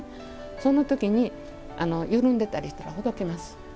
その時に緩んでたりしたらほどけます。